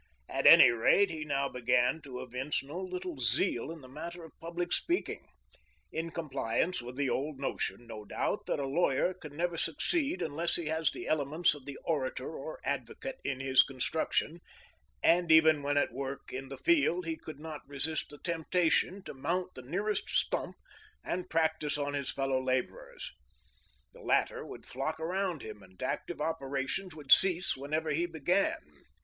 At any rate he now began to evince no little zeal in the matter of public speaking — in compliance with the old notion, no doubt, that a lawyer can never succeed unless he has the elements of the orator or advocate in his construction — and even when at work in the field he could not resist the temptation to mount the nearest stump and practise on his fellow labor ers. The latter would flock around him, and active operations would cease whenever he began.